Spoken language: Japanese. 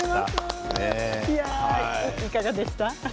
いかがでしたか？